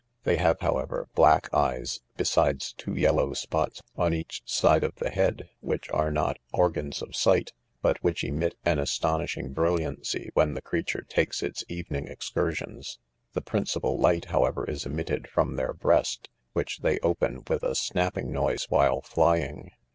They have, however, black eyes, besides two yellow spots on each side of the head, which are not or gans of sight, but which emit an astonishing brilliancy when the creature takes its evening excursions. The principal light, however, is emitted from their breast, which they open with a snapping noise while flying.